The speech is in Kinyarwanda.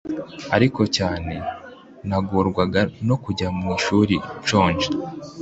ariko cyane nagorwaga no kujya mu ishuri nshonje